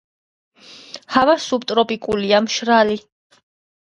ჰავა სუბტროპიკულია, მშრალი.